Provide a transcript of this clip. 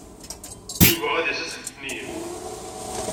Yuba ad d-yas ass n letniyen.